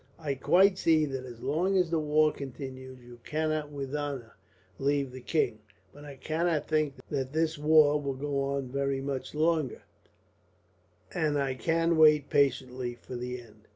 I quite see that as long as the war continues you cannot, with honour, leave the king; but I cannot think that this war will go on very much longer, and I can wait patiently for the end.